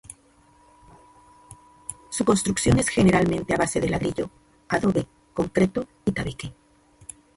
Su construcción es generalmente a base de ladrillo, adobe, concreto y tabique.